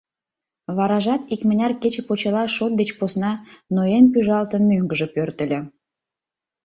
Варажат икмыняр кече почела шот деч посна, ноен-пӱжалтын, мӧҥгыжӧ пӧртыльӧ.